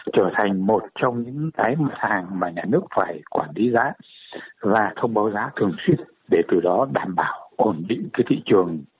trở thành một trong những cái mặt hàng mà nhà nước phải quản lý giá và thông báo giá thường xuyên để từ đó đảm bảo ổn định cái thị trường